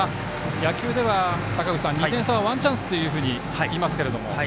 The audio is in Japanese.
野球では、２点差はワンチャンスというふうに言いますが。